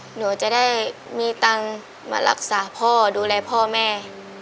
หนูจะได้มีตังค์มารักษาพ่อดูแลพ่อแม่